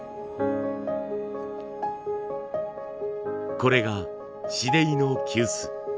これが紫泥の急須。